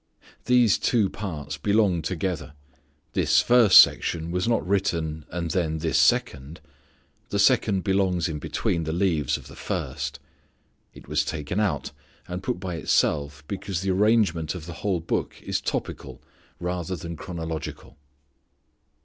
These two parts belong together. This first section was not written, and then this second. The second belongs in between the leaves of the first. It was taken out and put by itself because the arrangement of the whole Book is topical rather than chronological.